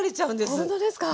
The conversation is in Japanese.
ほんとですか？